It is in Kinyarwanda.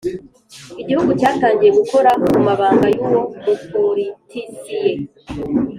Igihugu cyatangiye gukora kumabanga y’uwo muporitisiye